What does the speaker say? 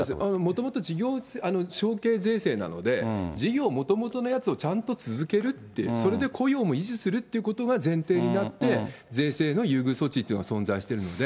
もともと事業承継税制なので、事業、もともとのやつを、ちゃんと続けるって、それで雇用も維持するっていうことが、前提になって、税制の優遇措置っていうのが存在しているので。